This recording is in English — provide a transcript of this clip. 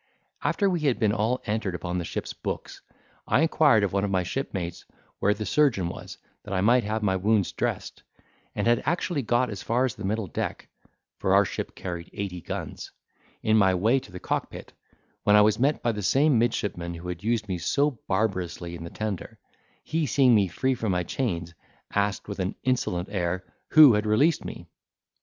After we had been all entered upon the ship's books, I inquired of one of my shipmates where the surgeon was, that I might have my wounds dressed, and had actually got as far as the middle deck (for our ship carried eighty guns), in my way to the cockpit, when I was met by the same midshipman who had used me so barbarously in the tender: he, seeing me free from my chains, asked, with an insolent air, who had released me?